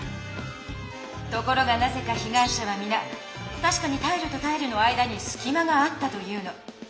ところがなぜかひがい者はみな「たしかにタイルとタイルの間にすきまがあった」と言うの。